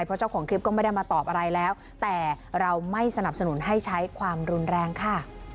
เพราะเจ้าของคลิปก็ไม่ได้มาตอบอะไรแล้วแต่เราไม่สนับสนุนให้ใช้ความรุนแรงค่ะ